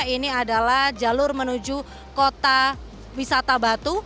ini adalah jalur menuju kota wisata batu